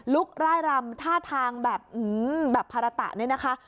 ลุกร่ายรำท่าทางแบบอืมแบบภาระตะนี่นะคะ